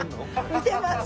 見てます。